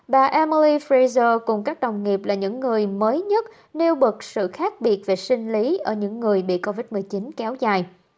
bà emi fraser cùng các đồng nghiệp là những người mới nhất nêu bật sự khác biệt về sinh lý ở những người bị covid một mươi chín kéo dài